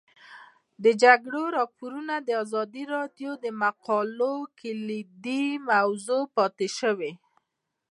د جګړې راپورونه د ازادي راډیو د مقالو کلیدي موضوع پاتې شوی.